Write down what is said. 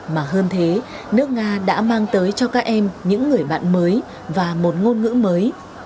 mà hơn thế nước nga đã mang tới cho các em những người bạn mới và một ngôn ngữ mới